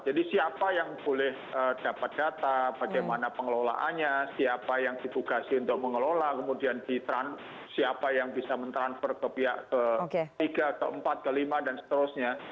jadi siapa yang boleh dapat data bagaimana pengelolaannya siapa yang dipugasi untuk mengelola kemudian siapa yang bisa mentransfer ke pihak ke tiga atau empat ke lima dan seterusnya